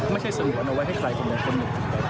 ไม่ใช่สมวนเอาไว้ให้ใครคนเดียวคนหนึ่ง